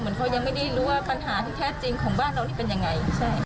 เหมือนเขายังไม่ได้รู้ว่าปัญหาแท้จริงของบ้านเรานี่เป็นอย่างไร